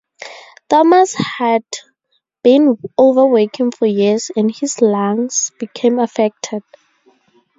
Thomas had been overworking for years, and his lungs became affected.